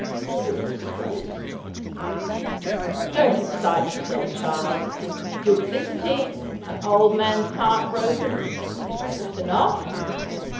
"Where was the disgrace?" "Don't excite yourself, child. Duplicity an old man's heart broken Isn't that enough?